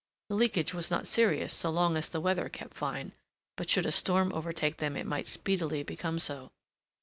The leakage was not serious so long as the weather kept fine; but should a storm overtake them it might speedily become so.